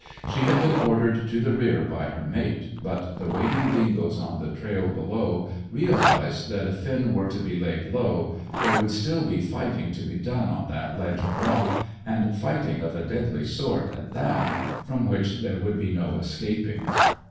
She had been ordered to the rear by her mate, but the waiting dingoes on the trail below realized that if Finn were to be laid low, there would still be fighting to be done on that ledge of rock, and fighting of a deadly sort, at that, from which there would be no escaping.